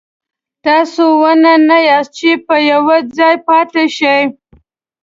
تاسو ونه نه یاست چې په یو ځای پاتې شئ.